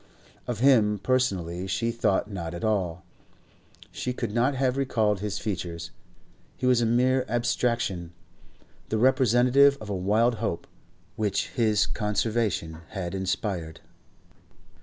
Of him personally she thought not at all; she could not have recalled his features; he was a mere abstraction, the representative of a wild hope which his conversation had inspired.